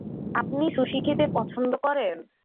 আপনি সুশি খেতে পছন্দ করেন?